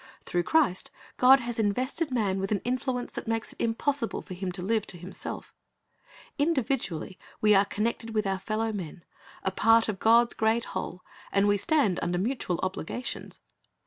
Through Christ, God has invested man with an influence that makes it impossible for him to live to himself Indi\'idually w^e are connected with our fellow men, a part of God's great whole, and we stand under mutual obligations.